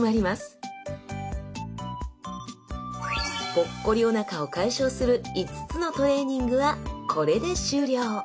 ポッコリおなかを解消する５つのトレーニングはこれで終了！